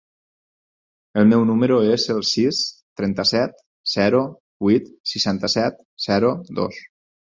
El meu número es el sis, trenta-set, zero, vuit, seixanta-set, zero, dos.